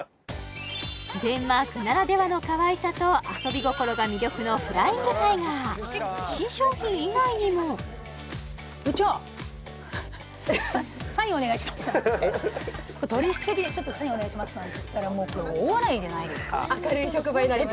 デンマークならではのかわいさと遊び心が魅力のフライングタイガー新商品以外にも取引先で「サインお願いします」なんて言ったら大笑いじゃないですか明るい職場になります